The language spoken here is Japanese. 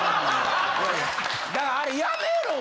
だからあれやめろ！